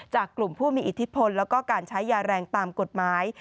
กลุ่มผู้มีอิทธิพลแล้วก็การใช้ยาแรงตามกฎหมาย